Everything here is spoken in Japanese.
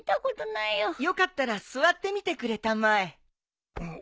よかったら座ってみてくれたまえ。